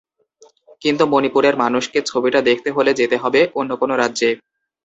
কিন্তু মণিপুরের মানুষকে ছবিটা দেখতে হলে যেতে হবে অন্য কোনো রাজ্যে।